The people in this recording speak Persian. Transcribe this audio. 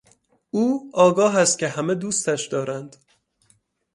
او آگاه است که همه دوستش دارند.